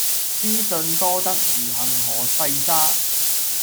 資訊多得如恆河細沙